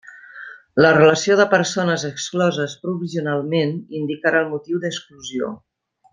La relació de persones excloses provisionalment indicarà el motiu d'exclusió.